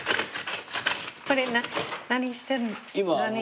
これ何やってるんですか？